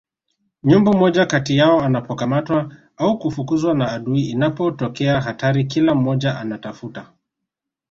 Nyumbu mmoja kati yao anapokamatwa au kufukuzwa na adui inapotokea hatari kila mmoja anatafuta